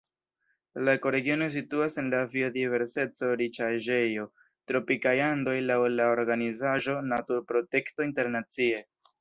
La ekoregiono situas en la biodiverseco-riĉaĵejo Tropikaj Andoj laŭ la organizaĵo Naturprotekto Internacie.